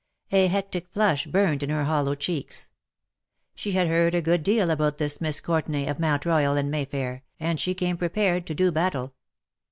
A hectic flush burned in her hollow cheeks. She had heard a good deal about this Miss Courtenay, of Mount Royal and Mayfair, and she came prepared to do battle.